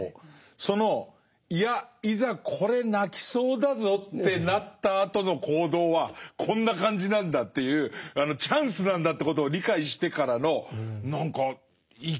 そのいやいざこれ鳴きそうだぞってなったあとの行動はこんな感じなんだっていうチャンスなんだということを理解してからの何か生き生きとしたっていうか。